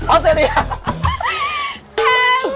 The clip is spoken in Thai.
ออสเตรีย